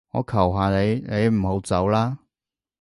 我求下你，你唔好走啦